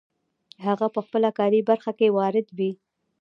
هغه په خپله کاري برخه کې وارد وي.